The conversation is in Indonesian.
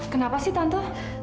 kenapa sih tante